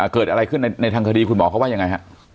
เกิดอะไรขึ้นในทางคดีคุณหมอเขาว่ายังไงฮะ